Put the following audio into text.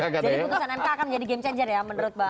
jadi keputusan mk akan jadi game changer ya menurut bang